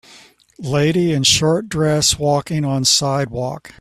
Lady in short dress walking on sidewalk